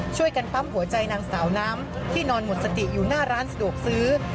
ช่วยกันปั๊มหัวใจนางสาวน้ำที่นอนหมดสติอยู่หน้าร้านสะดวกซื้อ